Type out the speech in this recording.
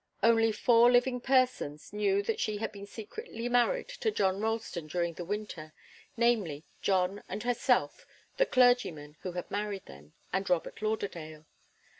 Only four living persons knew that she had been secretly married to John Ralston during the winter; namely, John and herself, the clergyman who had married them, and Robert Lauderdale.